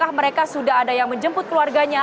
apakah mereka sudah ada yang menjemput keluarganya